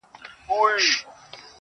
و تاسو ته يې سپين مخ لارښوونکی، د ژوند.